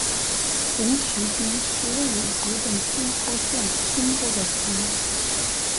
神崎郡是位于日本兵库县中部的郡。